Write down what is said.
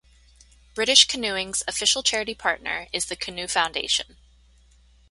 British Canoeing's official charity partner is the Canoe Foundation.